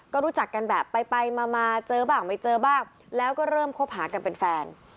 ก็รู้จักกันแบบไปไปมาเจอบ้างไม่เจอบ้างแล้วก็เริ่มคบหากันเป็นแฟน